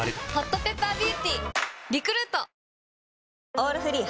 「オールフリー」